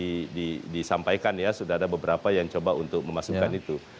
tadi disampaikan ya sudah ada beberapa yang coba untuk memasukkan itu